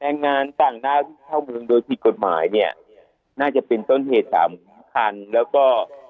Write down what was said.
แรงงานต่างด้าวที่เข้าเมืองโดยผิดกฎหมายเนี่ยน่าจะเป็นต้นเหตุสามคันแล้วก็